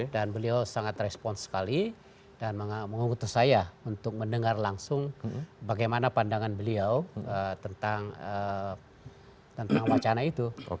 dan beliau sangat respons sekali dan mengutus saya untuk mendengar langsung bagaimana pandangan beliau tentang wacana itu